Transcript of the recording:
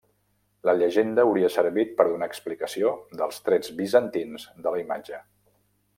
La llegenda hauria servit per donar explicació dels trets bizantins de la imatge.